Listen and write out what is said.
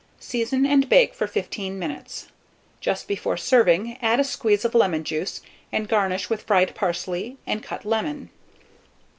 Season and bake for 15 minutes. Just before serving, add a squeeze of lemon juice, and garnish with fried parsley and cut lemon.